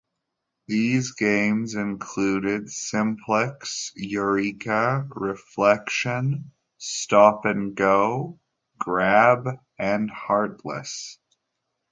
These games included "Simplex", "Eureka", "Reflection", "Stop and Go", "Grab" and "Heartless".